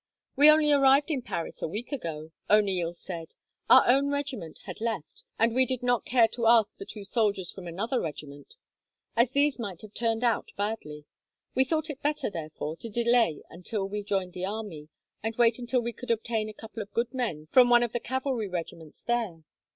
"We only arrived in Paris a week ago," O'Neil said. "Our own regiment had left, and we did not care to ask for two soldiers from another regiment, as these might have turned out badly. We thought it better, therefore, to delay until we joined the army, and wait till we could obtain a couple of good men from one of the cavalry regiments there.